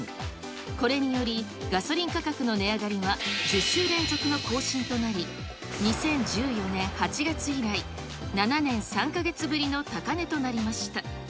これにより、ガソリン価格の値上がりは１０週連続の更新となり、２０１４年８月以来、７年３か月ぶりの高値となりました。